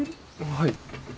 はい。